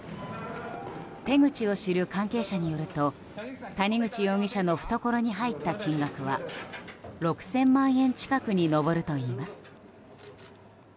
手口を知る関係者によると谷口容疑者の懐に入った金額は６０００万円近くに上るといいます。